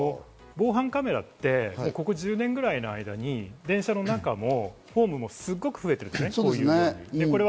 防犯カメラはここ１０年ぐらいの間に電車の中もホームもすごく増えています。